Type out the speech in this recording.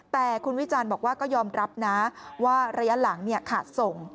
แต่คุณวิจารณ์บอกว่าก็ยอมรับนะว่าระยะหลังขาดส่ง